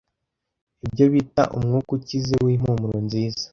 Ibyo bita umwuka ukize wimpumuro nziza.